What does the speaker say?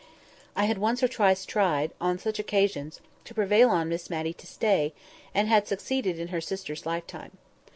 I had once or twice tried, on such occasions, to prevail on Miss Matty to stay, and had succeeded in her sister's lifetime.